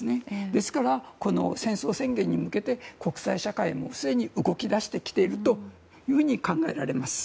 ですから、この戦争宣言に向けて国際社会も、すでに動き出してきていると考えられます。